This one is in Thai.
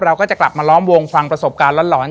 เราก็จะกลับมาล้อมวงฟังประสบการณ์หลอน